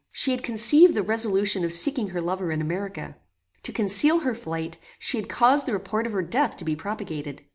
She had conceived the resolution of seeking her lover in America. To conceal her flight, she had caused the report of her death to be propagated.